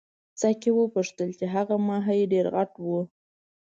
ساقي وپوښتل چې هغه ماهي ډېر غټ وو.